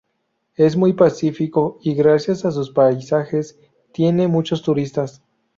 Es muy pacífico y gracias a sus paisajes tiene muchos turistas.